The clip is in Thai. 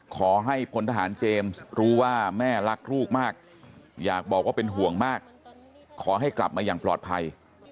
ขอให้พลทหารเจมส์รู้ว่าแม่รักลูกมากอยากบอกว่าเป็นห่วงมากขอให้กลับมาอย่างปลอดภัย